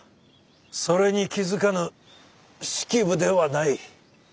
それに気付かぬ式部ではない。